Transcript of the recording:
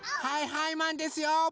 はいはいマンですよ！